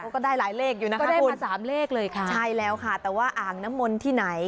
ก็ได้หลายเลขอยู่นะคะก็ได้มาสามเลขเลยค่ะใช่แล้วค่ะแต่ว่าอ่างน้ำมนต์ที่ไหน